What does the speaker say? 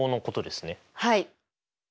はい。